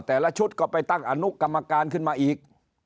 แต่ละชุดก็ไปตั้งอนุกรรมการขึ้นมาอีก